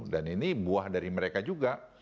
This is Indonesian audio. dan ini buah dari mereka juga